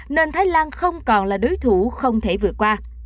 nên thái lan không còn là đối thủ không thể vượt qua